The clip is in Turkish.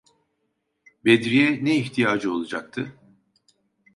Bedri’ye ne ihtiyacı olacaktı?